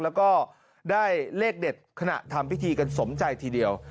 แล้วก็ได้เลขเด็ดขณะทำพิธีกันสมใจทีเดียว